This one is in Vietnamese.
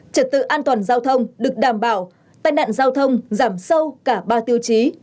trật tự an toàn giao thông được đảm bảo tai nạn giao thông giảm sâu cả ba tiêu chí